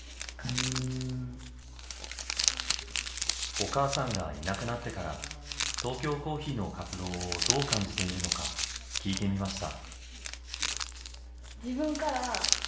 お母さんがいなくなってからトーキョーコーヒーの活動をどう感じているのか聞いてみました。